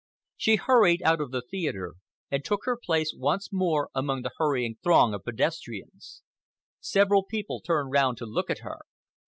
She hurried out of the theatre and took her place once more among the hurrying throng of pedestrians. Several people turned round to look at her.